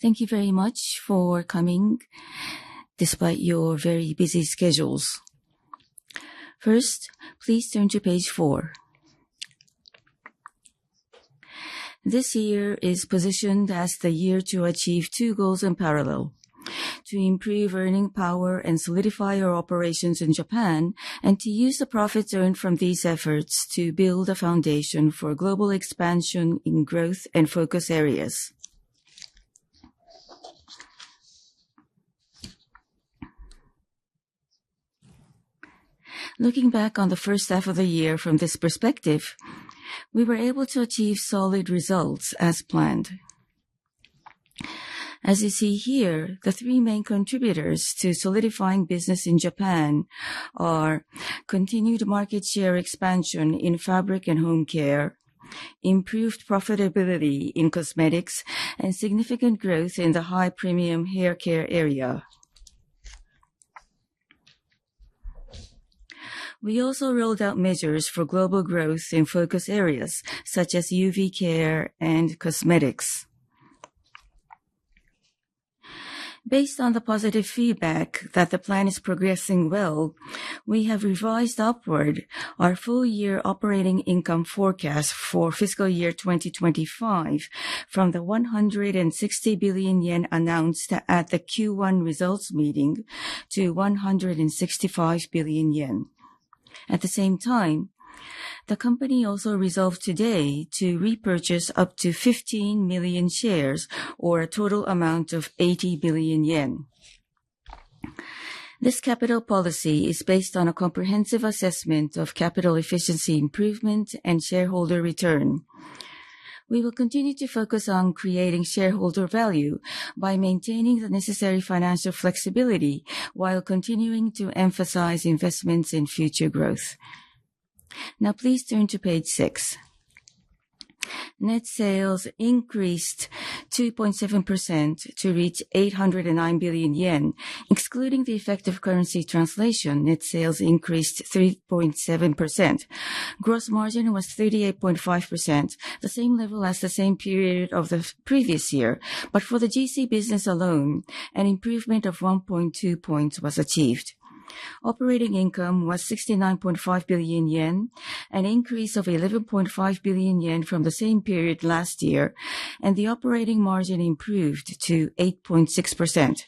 Thank you very much for coming despite your very busy schedules. First, please turn to page four. This year is positioned as the year to achieve two goals in parallel: to improve earning power and solidify our operations in Japan, and to use the profits earned from these efforts to build a foundation for global expansion in growth and focus areas. Looking back on the first half of the year from this perspective, we were able to achieve solid results as planned. As you see here, the three main contributors to solidifying business in Japan are continued market share expansion in Fabric and Home Care, improved profitability in Cosmetics, and significant growth in the High Premium Hair Care area. We also rolled out measures for global growth in focus areas such as UV Care and Cosmetics. Based on the positive feedback that the plan is progressing well, we have revised upward our full-year operating income forecast for fiscal year 2025 from the 160 billion yen announced at the Q1 results meeting to 165 billion yen. At the same time, the company also resolved today to repurchase up to 15 million shares, or a total amount of 80 billion yen. This capital policy is based on a comprehensive assessment of capital efficiency improvement and shareholder return. We will continue to focus on creating shareholder value by maintaining the necessary financial flexibility while continuing to emphasize investments in future growth. Now, please turn to page six. Net sales increased 2.7% to reach 809 billion yen. Excluding the effect of currency translation, net sales increased 3.7%. Gross margin was 38.5%, the same level as the same period of the previous year. But for the GC business alone, an improvement of 1.2 points was achieved. Operating income was 69.5 billion yen, an increase of 11.5 billion yen from the same period last year, and the operating margin improved to 8.6%.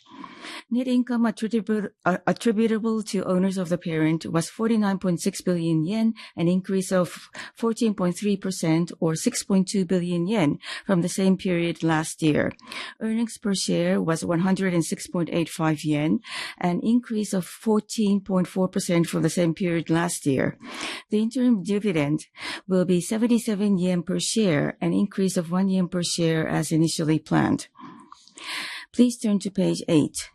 Net income attributable to owners of the parent was 49.6 billion yen, an increase of 14.3%, or 6.2 billion yen from the same period last year. Earnings per share was 106.85 yen, an increase of 14.4% from the same period last year. The interim dividend will be 77 yen per share, an increase of 1 yen per share as initially planned. Please turn to page eight.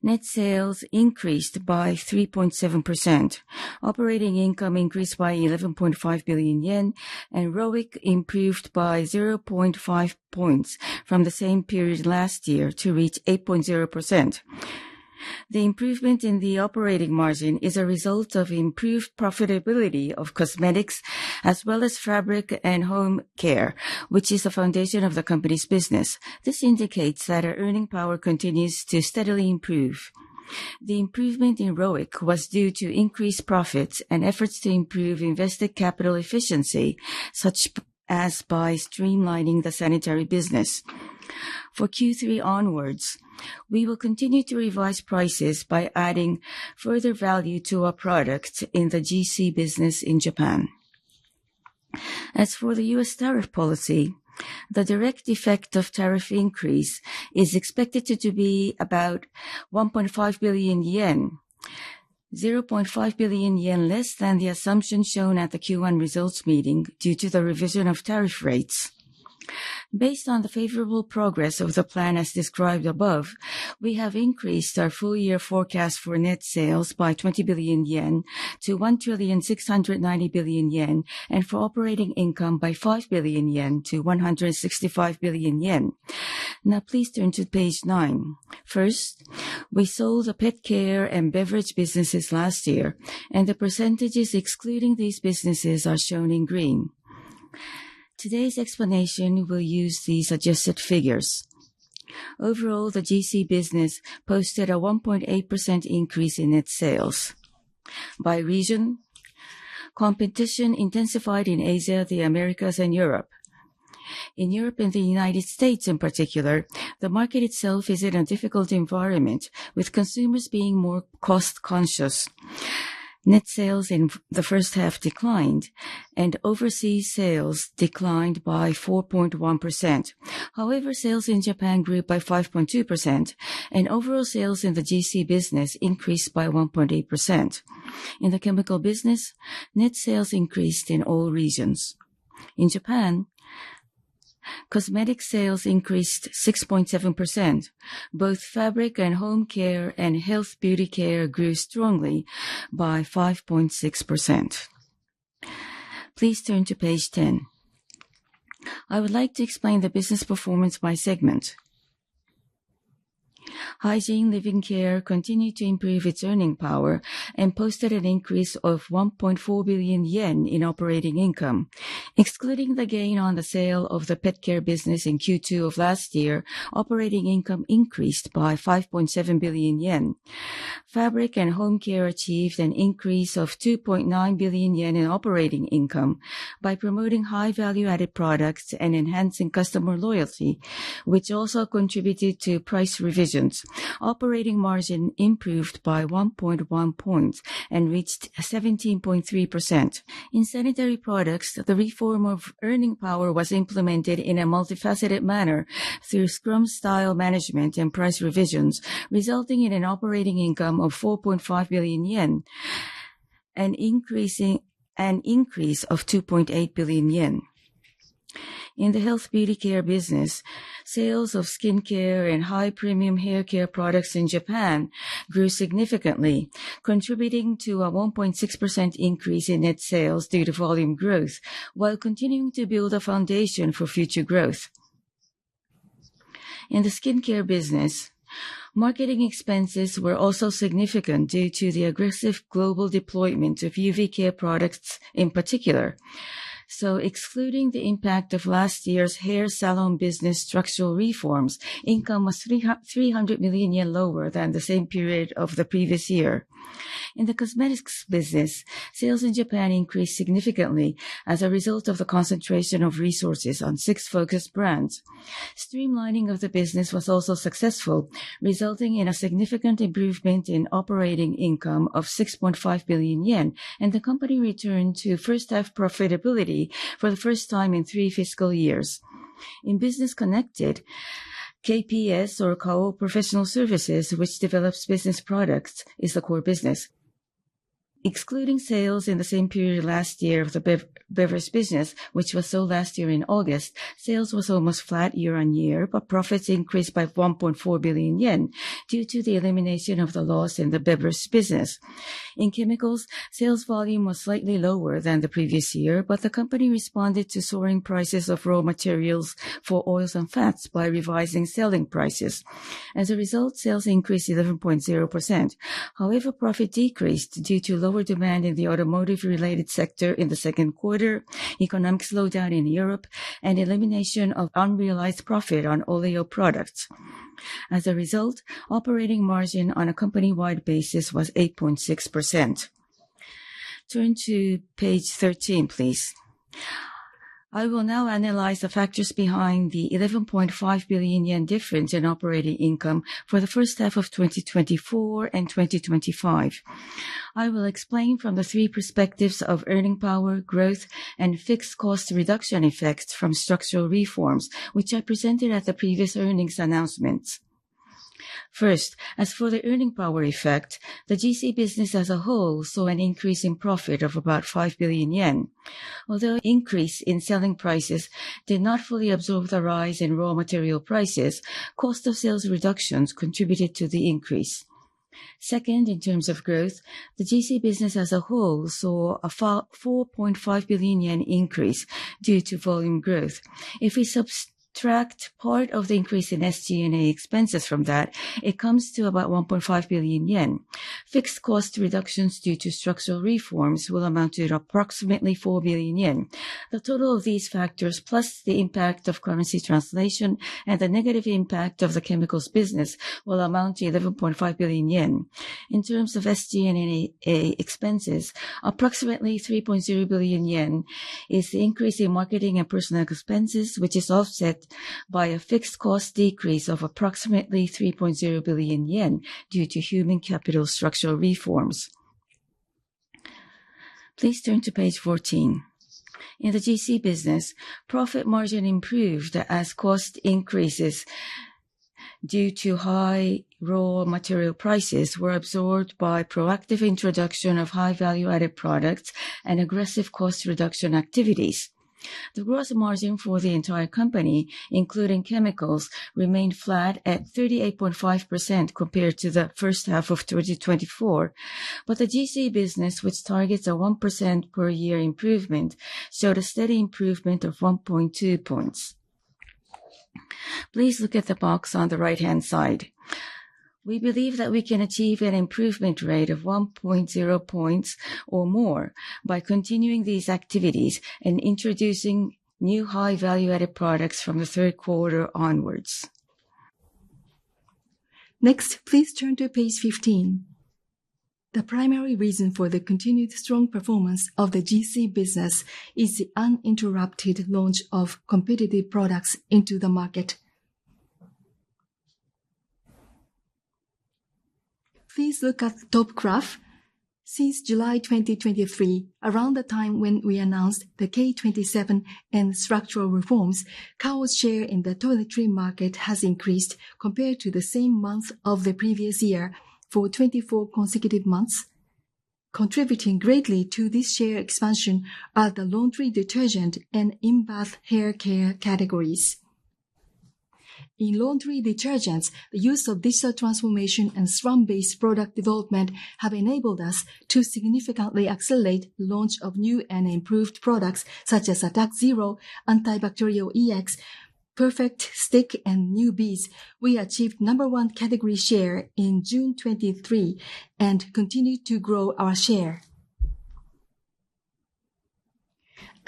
Net sales increased by 3.7%, operating income increased by 11.5 billion yen, and ROIC improved by 0.5 points from the same period last year to reach 8.0%. The improvement in the operating margin is a result of improved profitability of cosmetics as well as Fabric and Home Care, which is the foundation of the company's business. This indicates that our earning power continues to steadily improve. The improvement in ROIC was due to increased profits and efforts to improve invested capital efficiency, such as by streamlining the sanitary business. For Q3 onwards, we will continue to revise prices by adding further value to our product in the GC business in Japan. As for the U.S. tariff policy, the direct effect of tariff increase is expected to be about 1.5 billion yen, 0.5 billion yen less than the assumption shown at the Q1 results meeting due to the revision of tariff rates. Based on the favorable progress of the plan as described above, we have increased our full-year forecast for net sales by 20 billion-1,690,000,000,000 yen and for operating income by 5 billion-165 billion yen. Now please turn to page nine. First, we sold the Pet Care and Beverage businesses last year and the percentages excluding these businesses are shown in green. Today's explanation will use the suggested figures. Overall, the GC business posted a 1.8% increase in net sales. By region, competition intensified in Asia, the Americas, and Europe. In Europe and the United States in particular, the market itself is in a difficult environment with consumers being more cost conscious. Net sales in the first half declined and overseas sales declined by 4.1%. However, sales in Japan grew by 5.2% and overall sales in the GC business increased by 1.8%. In the Chemical business, net sales increased in all regions. In Japan, cosmetic sales increased 6.7%. Both Fabric and Home Care and Health Beauty Care grew strongly by 5.6%. Please turn to page 10. I would like to explain the business performance by segment. Hygiene Living Care continued to improve its earning power and posted an increase of 1.4 billion yen in operating income excluding the gain on the sale of the Pet Care business in Q2 of last year, operating income increased by 5.7 billion yen. Fabric and Home Care achieved an increase of 2.9 billion yen in operating income by promoting high value added products and enhancing customer loyalty, which also contributed to price revisions. Operating margin improved by 1.1 points and reached 17.3%. In sanitary products, the reform of earning power was implemented in a multifaceted manner through Scrum style management and price revisions, resulting in an operating income of 4.5 billion yen, an increase of 2.8 billion yen. In the Health Beauty Care business, sales of Skincare and High Premium Hair Care products in Japan grew significantly, contributing to a 1.6% increase in net sales due to volume growth, while continuing to build a foundation for future growth. In the skincare business, marketing expenses were also significant due to the aggressive global deployment of UV Care products in particular. Excluding the impact of last year's hair salon business structural reforms, income was 300 million yen lower than the same period of the previous year. In the Cosmetics business, sales in Japan increased significantly as a result of the concentration of resources on six focused brands. Streamlining of the business was also successful, resulting in a significant improvement in operating income of 6.5 billion yen and the company returned to first half profitability for the first time in three fiscal years. In business connected, KPS or Kao Professional Services, which develops business products, is the core business. Excluding sales in the same period last year of the beverage business which was sold last year in August, sales was almost flat year-on-year, but profits increased by 1.4 billion yen due to the elimination of the loss in the beverage business. In Chemicals, sales volume was slightly lower than the previous year, but the company responded to soaring prices of raw materials for oils and fats by revising selling prices. As a result, sales increased 11.0%. However, profit decreased due to lower demand in the automotive related sector in the second quarter, economic slowdown in Europe, and elimination of unrealized profit on Oleo products. As a result, operating margin on a company wide basis was 8.6%. Turn to page 13 please. I will now analyze the factors behind the 11.5 billion yen difference in operating income for the first half of 2024 and 2025. I will explain from the three perspectives of earning power growth and fixed cost reduction effects from structural reforms which I presented at the previous earnings announcements. First, as for the earning power effect, the GC business as a whole saw an increase in profit of about 5 billion yen. Although increase in selling prices did not fully absorb the rise in raw material prices, cost of sales reductions contributed to the increase. Second, in terms of growth, the GC business as a whole saw a 4.5 billion yen increase due to volume growth. If we subtract part of the increase in SG&A expenses from that, it comes to about 1.5 billion yen. Fixed cost reductions due to structural reforms will amount to approximately 4 billion yen. The total of these factors plus the impact of currency translation and the negative impact of the Chemicals business will amount to 11.5 billion yen. In terms of SG&A expenses, approximately 3.0 billion yen is the increase in marketing and personnel expenses, which is offset by a fixed cost decrease of approximately 3.0 billion yen due to human capital structural reforms. Please turn to page 14. In the GC business, profit margin improved as cost increases due to high raw material prices were absorbed by proactive introduction of high value-added products and aggressive cost reduction activities. The gross margin for the entire company, including Chemicals, remained flat at 38.5% compared to the first half of 2024. The GC business, which targets a 1% per year improvement, showed a steady improvement of 1.2 points. Please look at the box on the right-hand side. We believe that we can achieve an improvement rate of 1.0 points or more by continuing these activities and introducing new high value-added products from the third quarter onwards. Next, please turn to page 15. The primary reason for the continued strong performance of the GC business is the uninterrupted launch of competitive products into the market. Please look at the top graph. Since July 2023, around the time when we announced the K27 plan and structural reforms, Kao's share in the toiletry market has increased compared to the same month of the previous year for 24 consecutive months. Contributing greatly to this share expansion are the Laundry Detergent and In-bath Hair Care categories. In laundry detergents, the use of digital transformation and Scrum-based product development have enabled us to significantly accelerate launch of new and improved products such as Attack ZERO, Antibacterial EX, Perfect Stick, and New Beads. We achieved No. 1 category share in June 2023 and continue to grow our share.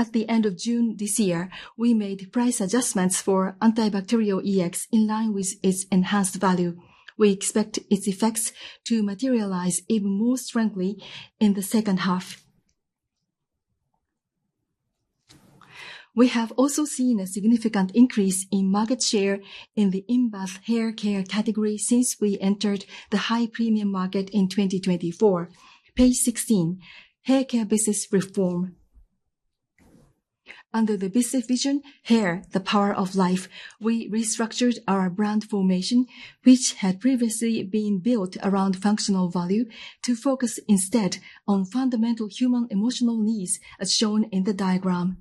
At the end of June this year we made price adjustments for Antibacterial EX in line with its enhanced value. We expect its effects to materialize even more strongly in the second half. We have also seen a significant increase in market share in the In-bath Hair Care category since we entered the high premium market in 2024. Page 16. Hair Care Business Reform. Under the business vision Hair the Power of Life, we restructured our brand formation which had previously been built around functional value to focus instead on fundamental human emotional needs as shown in the diagram.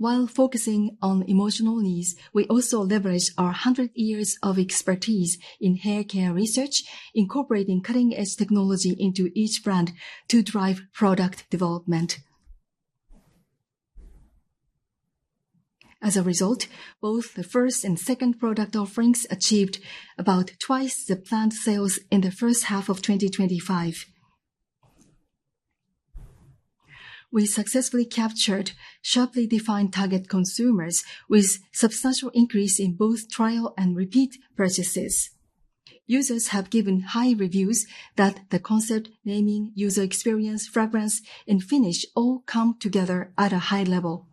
While focusing on emotional needs, we also leveraged our 100 years of expertise in hair care research, incorporating cutting-edge technology into each brand to drive product development. As a result, both the first and second product offerings achieved about twice the planned sales in the first half of 2025. We successfully captured sharply defined target consumers with substantial increase in both trial and repeat purchases. Users have given high reviews that the concept, naming, user experience, fragrance, and finish all come together at a high level.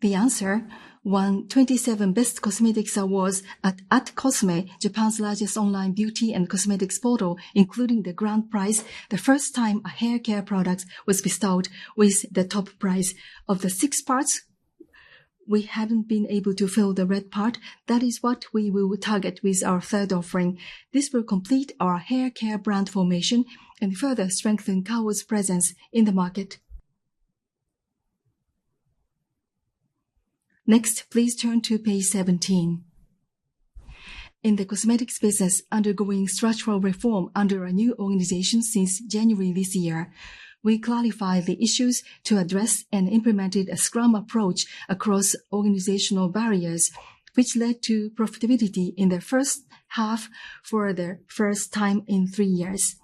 The answer won 27 Best Cosmetics awards at @cosme, Japan's largest online beauty and cosmetics portal, including the Grand Prize, the first time a hair care product was bestowed with the top prize. Of the six parts, we haven't been able to fill the red part; that is what we will target with our third offering. This will complete our hair care brand formation and further strengthen Kao's presence in the market. Next, please turn to page 17. In the Cosmetics business undergoing structural reform under a new organization since January this year, we clarified the issues to address and implemented a Scrum approach across organizational barriers, which led to profitability in the first half for the first time in three years.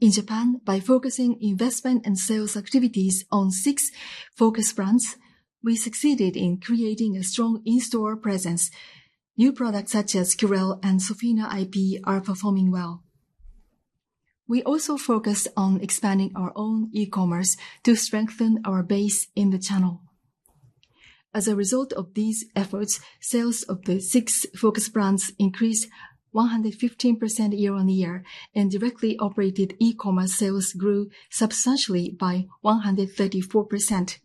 In Japan, by focusing investment and sales activities on six focus brands, we succeeded in creating a strong in-store presence. New products such as Curel and Sofina iP are performing well. We also focused on expanding our own E-Commerce to strengthen our base in the channel. As a result of these efforts, sales of the six focus brands increased 115% year-on-year, and directly operated E-Commerce sales grew substantially by 134%.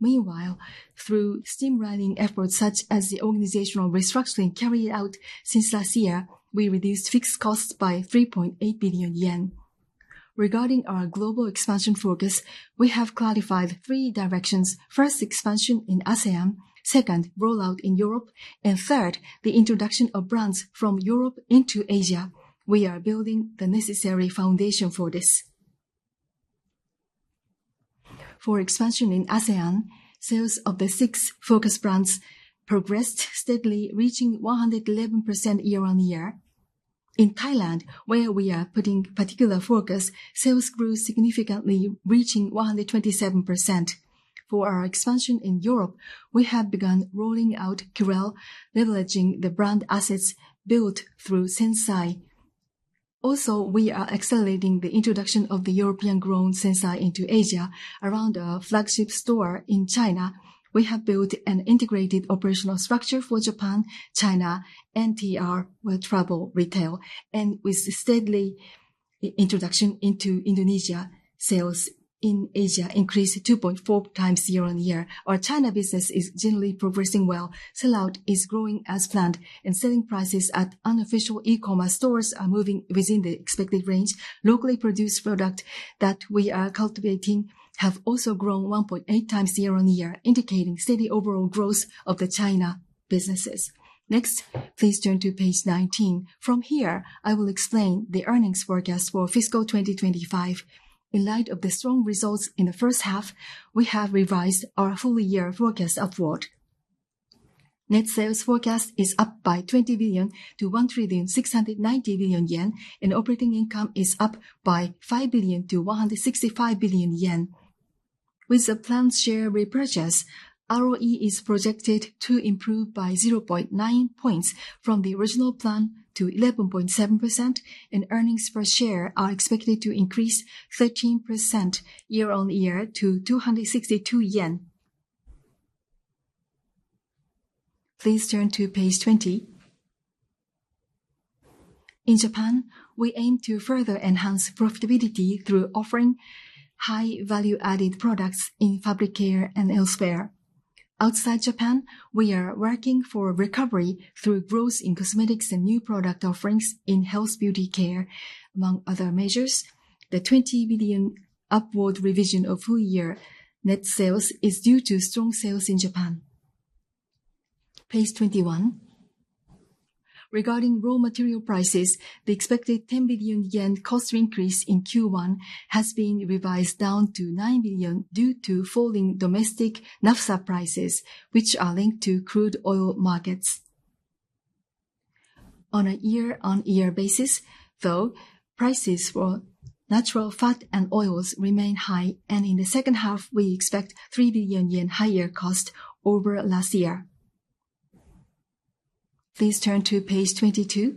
Meanwhile, through streamlining efforts such as the organizational restructuring carried out since last year, we reduced fixed costs by 3.8 billion yen. Regarding our global expansion focus, we have clarified three directions. First, expansion in ASEAN, second, rollout in Europe, and third, the introduction of brands from Europe into Asia. We are building the necessary foundation for this. For expansion in ASEAN, sales of the six focus brands progressed steadily, reaching 111% year-on-year. In Thailand, where we are putting particular focus, sales grew significantly, reaching 127%. For our expansion in Europe, we have begun rolling out Curel, leveraging the brand assets built through Sensai. Also, we are accelerating the introduction of the European-grown Sensai into Asia around our flagship store in China. We have built an integrated operational structure for Japan, China, and TR, with Travel Retail, and with steady introduction into Indonesia, sales in Asia increased 2.4x year-on-year. Our China business is generally progressing well. Sellout is growing as planned, and selling prices at unofficial E-Commerce stores are moving within the expected range. Locally produced products that we are cultivating have also grown 1.8x year-on-year, indicating steady overall growth of the China businesses. Next, please turn to page 19. From here, I will explain the earnings forecast for fiscal 2025. In light of the strong results in the first half, we have revised our full-year forecast upward. Net sales forecast is also up by 20 billion-1,690,000,000,000 yen, and operating income is up by 5 billion-165 billion yen. With the planned share repurchase, ROE is projected to improve by 0.9 points from the original plan to 11.7% and earnings per share are expected to increase 13% year-on-year to JPY 262. Please turn to page 20. In Japan, we aim to further enhance profitability through offering high value added products in Fabric Care and elsewhere. Outside Japan, we are working for recovery through growth in cosmetics and new product offerings in health beauty care. Among other measures, the 20 billion upward revision of full-year net sales is due to strong sales in Japan. Page 21. Regarding raw material prices, the expected 10 billion yen cost increase in Q1 has been revised down to 9 billion due to falling domestic NAFSA prices which are linked to crude oil markets. On a year-on-year basis, though prices for natural fat and oils remain high and in the second half we expect 3 billion yen higher cost over last year. Please turn to page 22.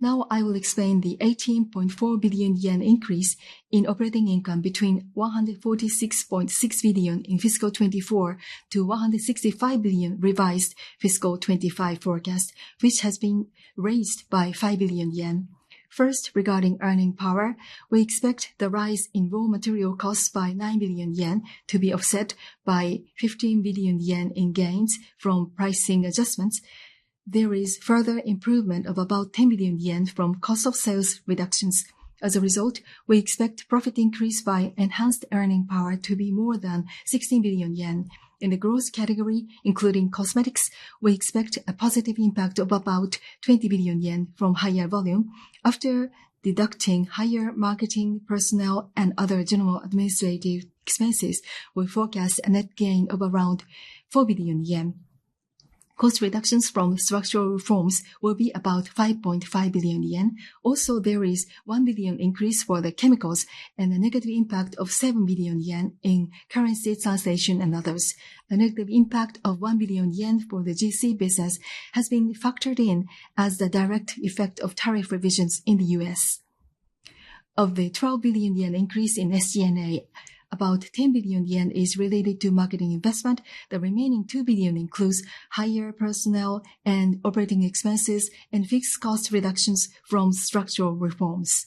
Now I will explain the 18.4 billion yen increase in operating income between 146.6 billion in fiscal 2024 to 165 billion revised fiscal 2025 forecast which has been being raised by 5 billion yen. First, regarding earning power, we expect the rise in raw material costs by 9 billion yen to be offset by 15 billion yen in gains from pricing adjustments. There is further improvement of about 10 billion yen from cost of sales reductions. As a result, we expect profit increase by enhanced earning power to be more than 16 billion yen. In the growth category, including cosmetics, we expect a positive impact of about 20 billion yen from higher volume. After deducting higher marketing, personnel, and other general administrative expenses, we forecast a net gain of around 4 billion yen. Cost reductions from structural reforms will be about 5.5 billion yen. Also, there is 1 billion increase for the Chemicals and a negative impact of 7 billion yen in currency translation and others. The negative impact of 1 billion yen for the GC business has been factored in as the direct effect of tariff revisions in the U.S. Of the 12 billion yen increase in SG&A, about 10 billion yen is related to marketing investment, the remaining 2 billion includes higher personnel and operating expenses and fixed cost reductions from structural reforms.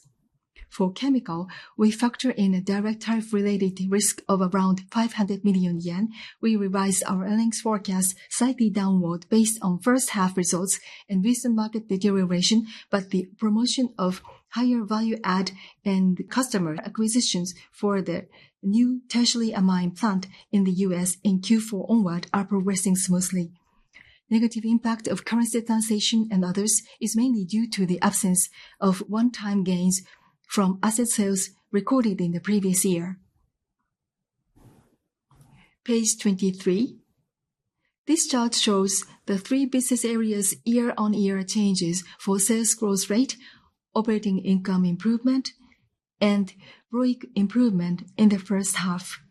For Chemical, we factor in a direct tariff related risk of around 500 million yen. We revised our earnings forecast slightly downward based on first half results and recent market deterioration, but the promotion of higher value add and customer acquisitions for the new tertiary amine plant in the U.S. in Q4 onward are progressing smoothly. Negative impact of currency, taxation, and others is mainly due to the absence of one-time gains from asset sales recorded in the previous year. Page 23, this chart shows the three business areas year-on-year changes for sales growth rate, operating income improvement, and ROIC improvement in the first half.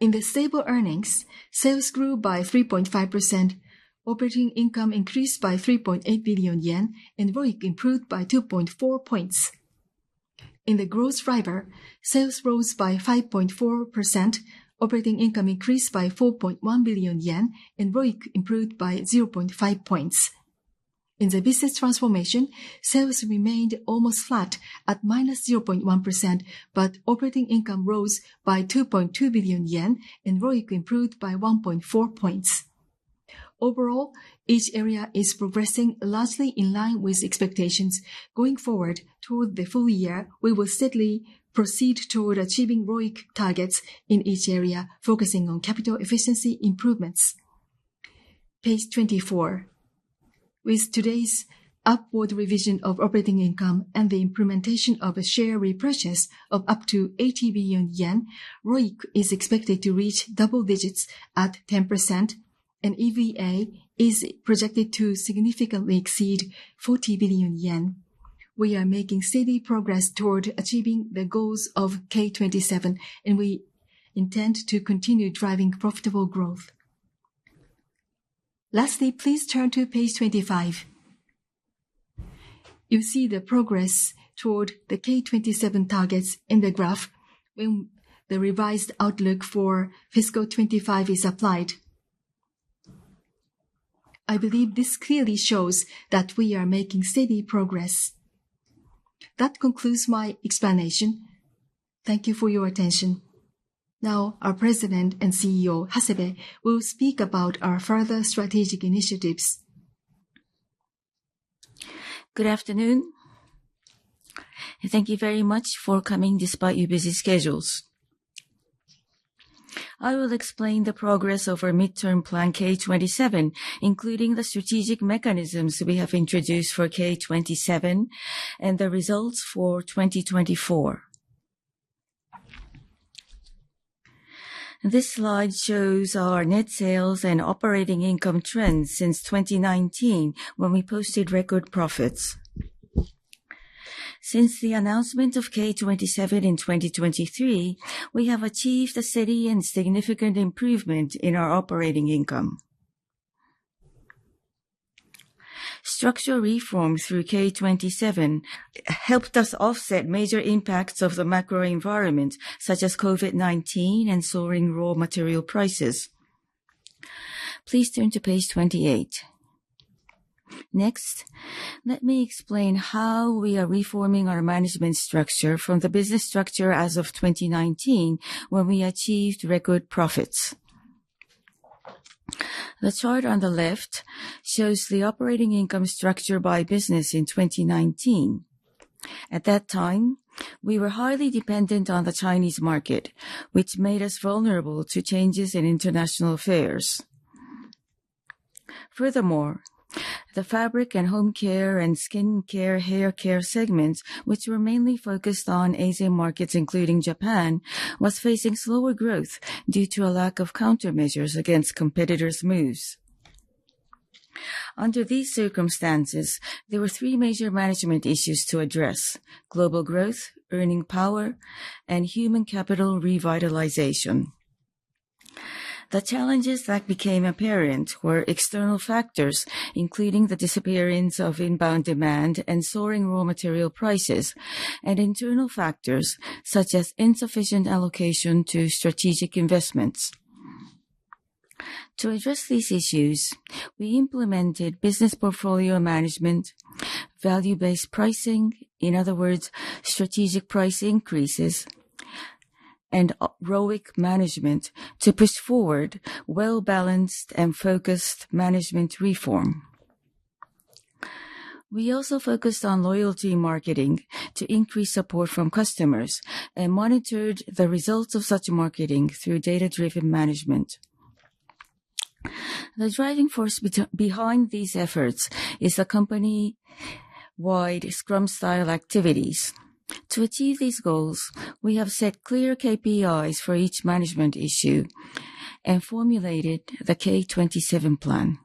In the stable earnings, sales grew by 3.5%, operating income increased by 3.8 billion yen, and ROIC improved by 2.4 points. In the growth driver, sales rose by 5.4%, operating income increased by 4.1 billion yen, and ROIC improved by 0.5 points. In the business transformation, sales remained almost flat at -0.1%, but operating income rose by 2.2 billion yen, and ROIC improved by 1.4 points. Overall, each area is progressing largely in line with expectations. Going forward toward the full year, we will steadily proceed toward achieving ROIC targets in each area, focusing on capital efficiency improvements. Page 24, with today's upward revision of operating income and the implementation of a share repurchase of up to 80 billion yen, ROIC is expected to reach double digits at 10%, and EVA is projected to significantly exceed 40 billion yen. We are making steady progress toward achieving the goals of K27, and we intend to continue driving profitable growth. Lastly, please turn to page 25. You see the progress toward the K27 targets in the graph when the revised outlook for fiscal 2025 is applied. I believe this clearly shows that we are making steady progress. That concludes my explanation. Thank you for your attention. Now our President and CEO Hasebe, will speak about our further strategic initiatives. Good afternoon. Thank you very much for coming despite your busy schedules. I will explain the progress of our mid-term plan K27, including the strategic mechanisms we have introduced for K27 and the results for 2024. This slide shows our net sales and operating income trends since 2019 when we posted record profits. Since the announcement of K27 in 2023, we have achieved a steady and significant improvement in our operating income. Structural reforms through K27 helped us offset major impacts of the macro environment such as COVID-19 and soaring raw material prices. Please turn to page 28. Next, let me explain how we are reforming our management structure from the business structure as of 2019 when we achieved record profits. The chart on the left shows the operating income structure by business in 2019. At that time, we were highly dependent on the Chinese market, which made us vulnerable to changes in international affairs. Furthermore, the Fabric and Home Care and Skin Care, Hair Care segments, which were mainly focused on Asian markets including Japan, were facing slower growth due to a lack of countermeasures against competitors' moves. Under these circumstances, there were three major management issues: global growth, earning power, and human capital revitalization. The challenges that became apparent were external factors including the disappearance of inbound demand and soaring raw material prices, and internal factors such as insufficient allocation to strategic investments. To address these issues, we implemented business portfolio management, value-based pricing, in other words, strategic price increases, and ROIC management to push forward well-balanced and focused management reform. We also focused on loyalty marketing to increase support from customers and monitored the results of such marketing through data-driven management. The driving force behind these efforts is company-wide Scrum style activities. To achieve these goals, we have set clear KPIs for each management issue and formulated the K27 plan.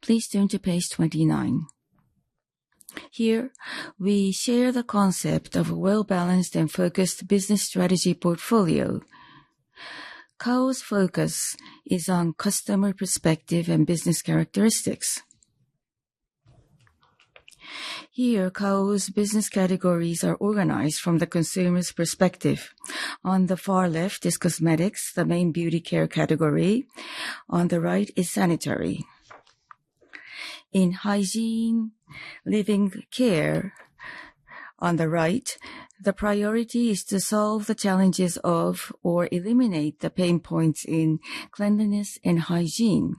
Please turn to page 29. Here we share the concept of a well-balanced and focused business strategy portfolio. Kao's focus is on customer perspective and business characteristics. Here, Kao's business categories are organized from the consumer's perspective. On the far left is cosmetics. The main beauty care category on the right is Sanitary and Hygiene Living Care on the right, the priority is to solve the challenges of or eliminate the pain points in cleanliness and hygiene.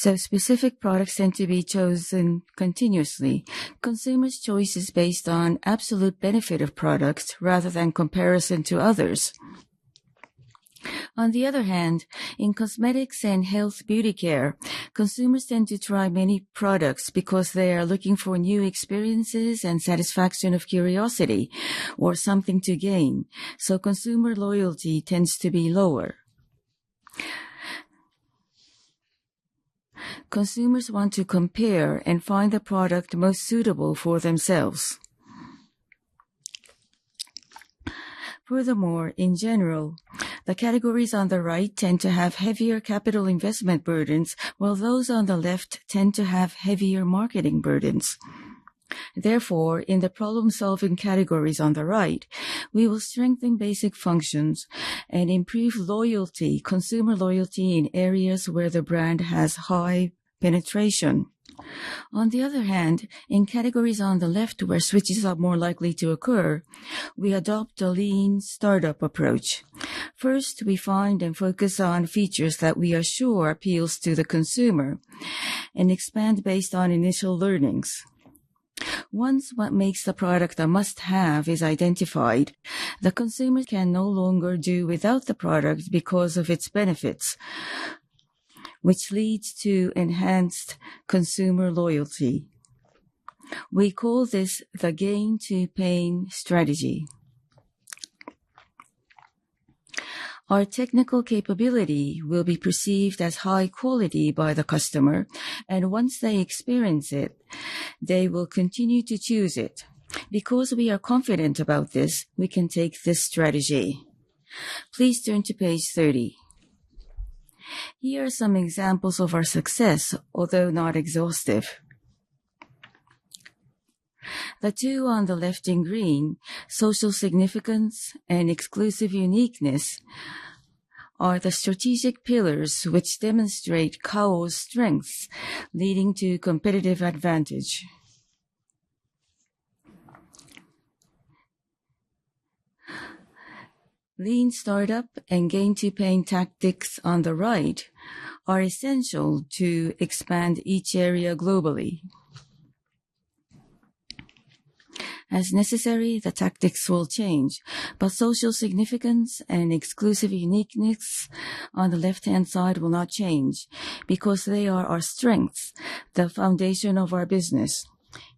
Specific products tend to be chosen continuously. Consumers' choices are based on absolute benefit of products rather than comparison to others. On the other hand, in Cosmetics and Health Beauty Care, consumers tend to try many products because they are looking for new experiences and satisfaction of curiosity or something to gain. Consumer loyalty tends to be lower. Consumers want to compare and find the product most suitable for themselves. Furthermore, in general, the categories on the right tend to have heavier capital investment burdens, while those on the left tend to have heavier marketing burdens. Therefore, in the problem-solving categories on the right, we will strengthen basic functions and improve consumer loyalty in areas where the brand has high penetration. In categories on the left where switches are more likely to occur, we adopt a lean startup approach. First, we find and focus on features that we assure appeals to the consumer and expand based on initial learnings. Once what makes a product a must-have is identified, the consumer can no longer do without the product because of its benefits, which leads to enhanced consumer loyalty. We call this the Gain to Pain strategy. Our technical capability will be perceived as high quality by the customer, and once they experience it, they will continue to choose it. Because we are confident about this, we can take this strategy. Please turn to page 30. Here are some examples of our success, although not exhaustive. The two on the left in green, Social Significance and Exclusive Uniqueness, are the strategic pillars which demonstrate Kao's strengths leading to competitive advantage. Lean Startup and Gain to Pain tactics on the right are essential to expand each area globally. As necessary, the tactics will change, but Social Significance and Exclusive Uniqueness on the left-hand side will not change because they are our strengths, the foundation of our business.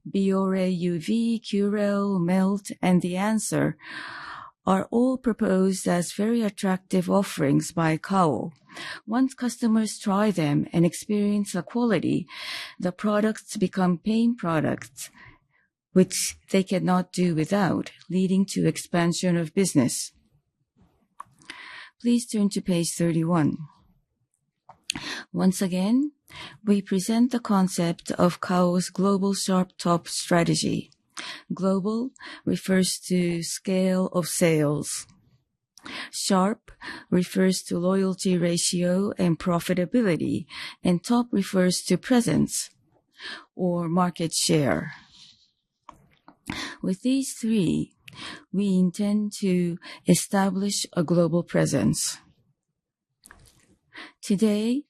Biore, UV, Curel, Melt, and The Answer, are all proposed as very attractive offerings by Kao. Once customers try them and experience a quality, the products become pain products which they cannot do without, leading to expansion of business. Please turn to page 31. Once again, we present the concept of Kao's Global Sharp Top strategy. Global refers to scale of sales, Sharp refers to loyalty ratio and profitability, and Top refers to presence or market share. With these three, we intend to establish a global presence. Today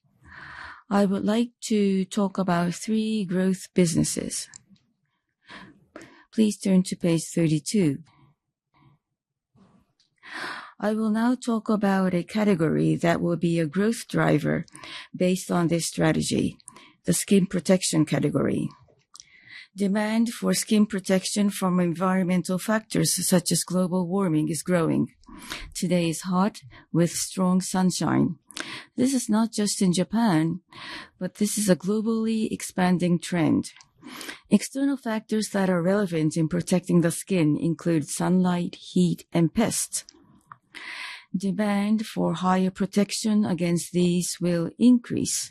I would like to talk about three growth businesses. Please turn to page 32. I will now talk about a category that will be a growth driver based on this strategy: the Skin Protection category. Demand for skin protection from environmental factors such as global warming is growing. Today is hot with strong sunshine. This is not just in Japan, but this is a globally expanding trend. External factors that are relevant in protecting the skin include sunlight, heat, and pests. Demand for higher protection against these will increase,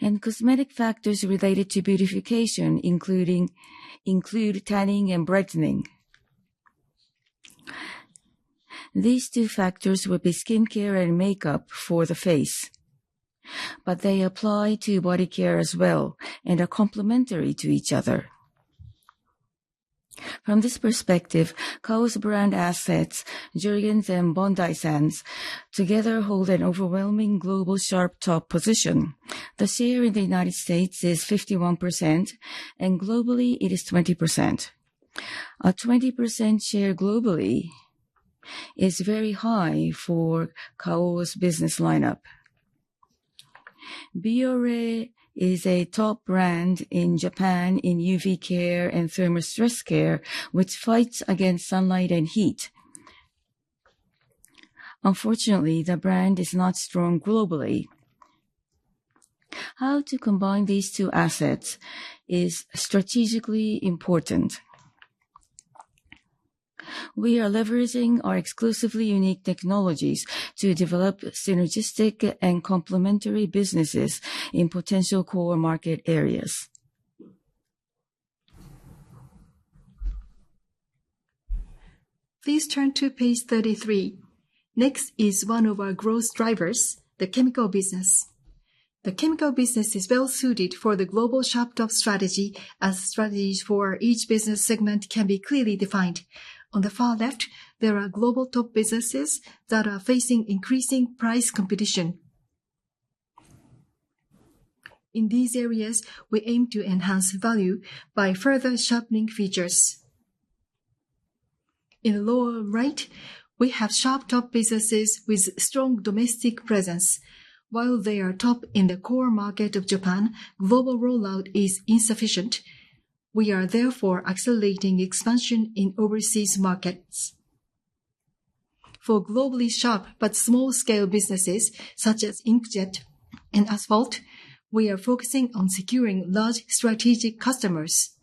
and cosmetic factors related to beautification include tanning and brightening. These two factors would be skincare and makeup for the face, but they apply to body care as well and are complementary to each other. From this perspective, Kao's brand assets, Jergens and Bondi Sands, together hold an overwhelming Global Sharp Top position. The share in the United States is 51%, and globally it is 20%. A 20% share globally is very high for Kao's business lineup. Biore is a top brand in Japan in UV Care and Thermostress Care, which fights against sunlight and heat. Unfortunately, the brand is not strong globally. How to combine these two assets is strategically important. We are leveraging our exclusively unique technologies to develop synergistic and complementary businesses in potential core market areas. Please turn to page 33. Next is one of our growth drivers, the Chemical business. The Chemical business is well suited for the global Shop Top strategy as strategies for each business segment can be clearly defined. On the far left, there are global top businesses that are facing increasing price competition. In these areas, we aim to enhance value by further sharpening features. In the lower right, we have sharp top businesses with strong domestic presence while they are top in the core market of Japan, global rollout is insufficient. We are therefore accelerating expansion in overseas markets. For globally sharp but small scale businesses such as Inkjet and Asphalt, we are focusing on securing large strategic customers.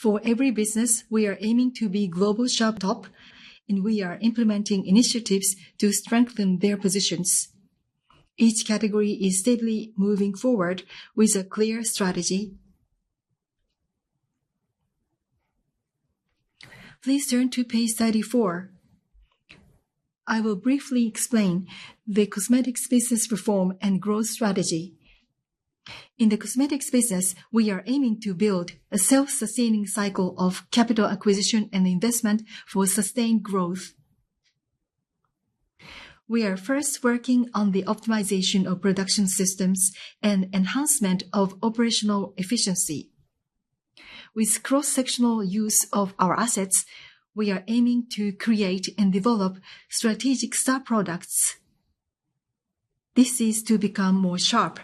For every business, we are aiming to be global sharp top and we are implementing initiatives to strengthen their positions. Each category is steadily moving forward with a clear strategy. Please turn to page 34. I will briefly explain the Cosmetics Business Reform and Growth Strategy. In the cosmetics business, we are aiming to build a self-sustaining cycle of capital acquisition and investment for sustained growth. We are first working on the optimization of production systems and enhancement of operational efficiency. With cross-sectional use of our assets, we are aiming to create and develop strategic star products. This is to become more sharp.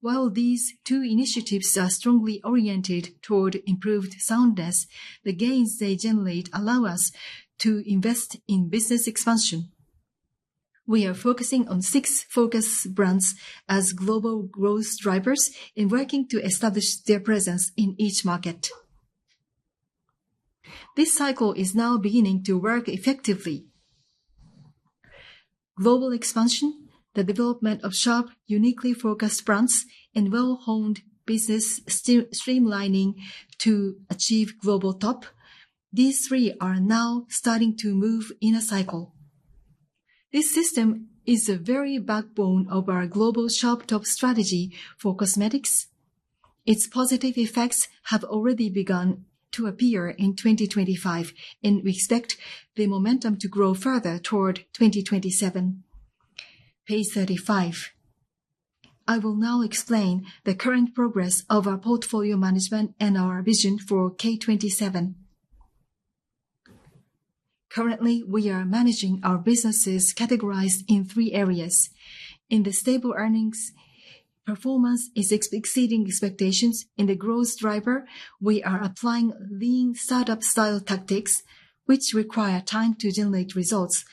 While these two initiatives are strongly oriented toward improved soundness, the gains they generate allow us to invest in business expansion. We are focusing on six focus brands as global growth drivers and working to establish their presence in each market. This cycle is now beginning to work effectively. Global expansion, the development of sharp uniquely focused brands, and well-honed business streamlining to achieve Global Top, these three are now starting to move in a cycle. This system is the very backbone of our Global Sharp Top strategy for cosmetics. Its positive effects have already begun to appear in 2025 and we expect the momentum to grow further toward 2027. Page 35. I will now explain the current progress of our portfolio management and our vision for the K27 plan. Currently, we are managing our businesses categorized in three areas. In the stable earnings, performance is exceeding expectations. In the growth driver, we are applying Lean Startup style tactics which require time to generate results.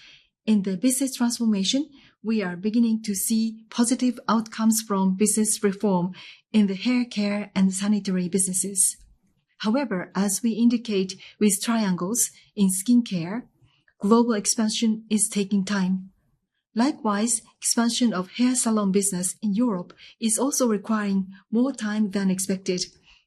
In the business transformation, we are beginning to see positive outcomes from business reform in the Hair Care and Sanitary businesses. However, as we indicate with triangles in skin care, global expansion is taking time. Likewise, expansion of hair salon business in Europe is also requiring more time than expected.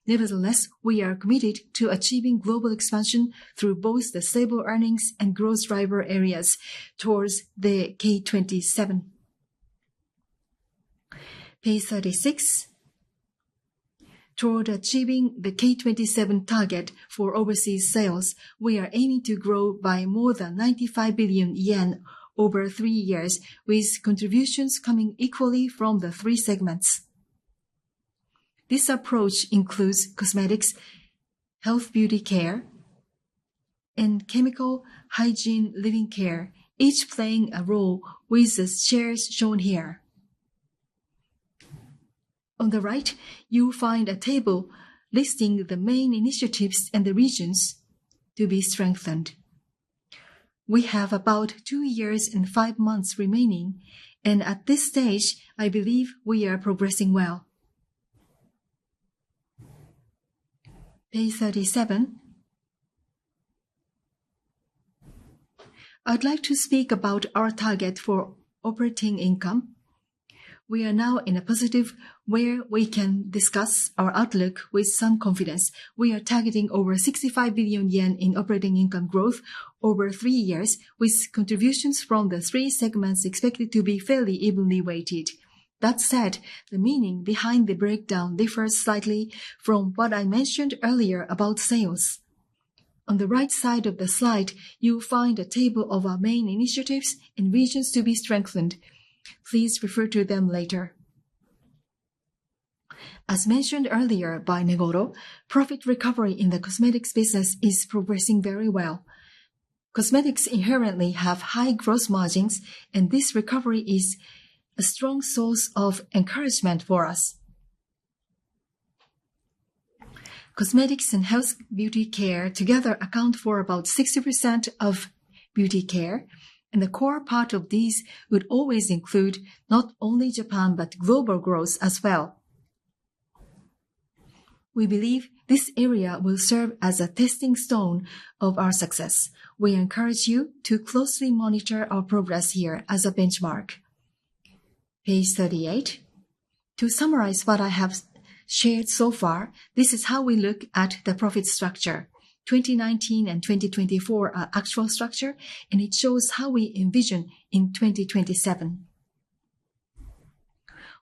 Nevertheless, we are committed to achieving global expansion through both the stable earnings and growth driver areas towards the K27. Page 36. Toward achieving the K27 target for overseas sales, we are aiming to grow by more than 95 billion yen over three years, with contributions coming equally from the three segments. This approach includes Cosmetics, Health Beauty Care, and Chemical Hygiene Living Care, each playing a role with the shares shown here. On the right, you find a table listing the main initiatives and the regions to be strengthened. We have about two years and five months remaining and at this stage I believe we are progressing well. Page 37. I'd like to speak about our target for operating income. We are now in a positive where we can discuss our outlook with some confidence. We are targeting over 65 billion yen in operating income growth over three years, with contributions from the three segments expected to be fairly evenly weighted. That said, the meaning behind the breakdown differs slightly from what I mentioned earlier about sales. On the right side of the slide you'll find a table of our main initiatives and visions to be strengthened. Please refer to them later. As mentioned earlier by Negoro, profit recovery in the cosmetics business is progressing very well. Cosmetics inherently have high gross margins and this recovery is a strong source of encouragement for us. Cosmetics and Health Beauty Care together account for about 60% of beauty care and the core part of these would always include not only Japan, but global growth as well. We believe this area will serve as a testing stone of our success. We encourage you to closely monitor our progress here as a benchmark. Page 38, to summarize what I have shared so far, this is how we look at the profit structure. 2019 and 2024 are actual structure and it shows how we envision in 2027.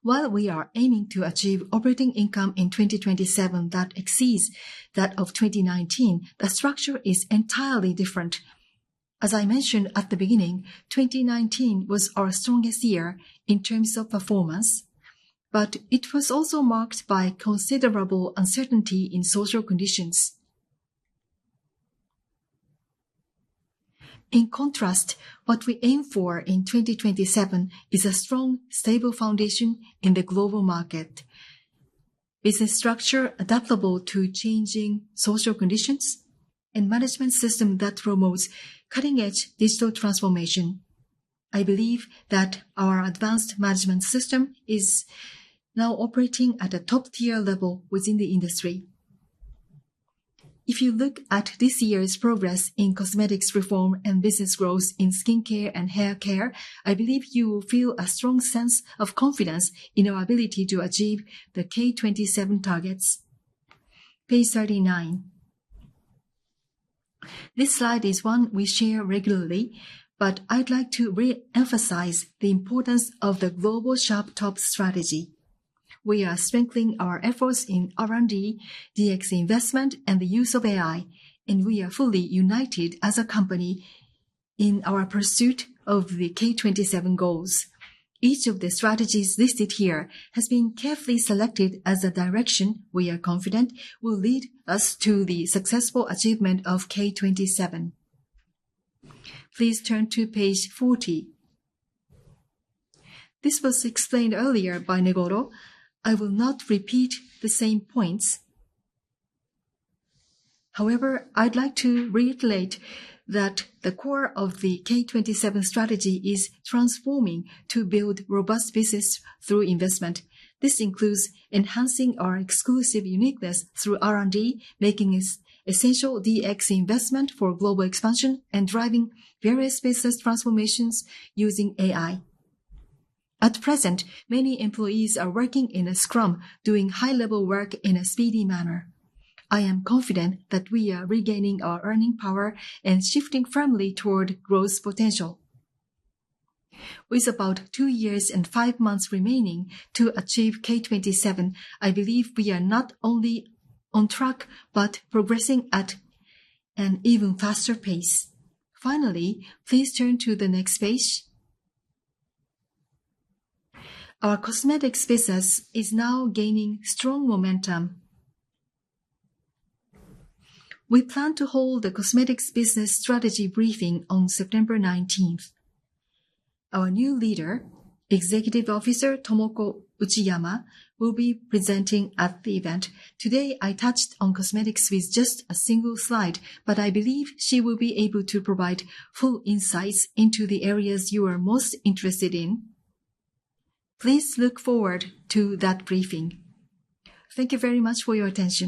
While we are aiming to achieve operating income in 2027 that exceeds that of 2019, the structure is entirely different. As I mentioned at the beginning, 2019 was our strongest year in terms of performance, but it was also marked by considerable uncertainty in social conditions. In contrast, what we aim for in 2027 is a strong, stable foundation in the global market. It's a structure adaptable to changing social conditions and a management system that promotes cutting-edge digital transformation. I believe that our advanced management system is now operating at a top-tier level within the industry. If you look at this year's progress in cosmetics reform and business growth in Skincare and Hair Care, I believe you will feel a strong sense of confidence in our ability to achieve the K27 targets. Page 39. This slide is one we share regularly, but I'd like to re-emphasize the importance of the Global Sharp Top strategy. We are strengthening our efforts in R&D, DX investment and the use of AI, and we are fully united as a company in our pursuit of the K27 goals. Each of the strategies listed here has been carefully selected as a direction we are confident will lead us to the successful achievement of K27. Please turn to page 40. This was explained earlier by Negoro. I will not repeat the same points. However, I'd like to reiterate that the core of the K27 strategy is transforming to build robust businesses through investment. This includes enhancing our exclusive uniqueness through R&D, making this essential DX investment for global expansion, and driving various business transformations using AI. At present, many employees are working in a Scrum, doing high-level work in a steady manner. I am confident that we are regaining our earning power and shifting firmly toward growth potential. With about two years and five months remaining to achieve K27, I believe we are not only on track but progressing at an even faster pace. Finally, please turn to the next page. Our cosmetics business is now gaining strong momentum. We plan to hold the Cosmetics Business strategy briefing on September 19th. Our new leader, Executive Officer Tomoko Uchiyama, will be presenting at the event. Today, I touched on cosmetics with just a single slide, but I believe she will be able to provide full insights into the areas you are most interested in. Please look forward to that briefing. Thank you very much for your attention.